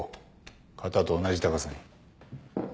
肩と同じ高さに。